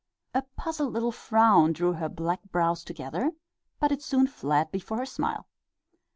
A puzzled little frown drew her black brows together, but it soon fled before her smile.